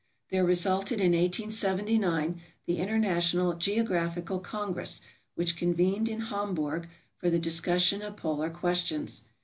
There resulted in 1879 the International Geographical Congress which convened in Hamburg for the discussion of polar questions.